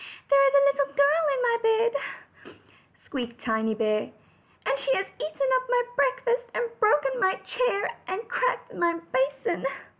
"There is a little girl in my bed," squeaked Tiny bear, "and she has eaten up my breakfast, and broken my chair, and cracked my basin."